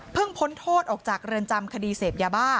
พี่น้องของผู้เสียหายแล้วเสร็จแล้วมีการของผู้เสียหาย